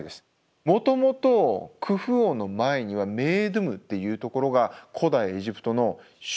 もともとクフ王の前にはメイドゥムっていうところが古代エジプトの首都でした。